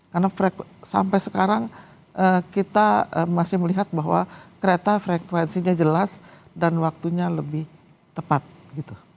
karena frekuensi sampai sekarang kita masih melihat bahwa kereta frekuensinya jelas dan waktunya lebih tepat gitu